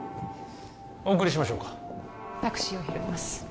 お送りしましょうかタクシーを拾います